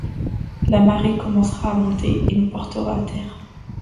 La marée commencera à monter et nous portera à terre.